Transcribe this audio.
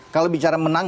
kalau bicara menang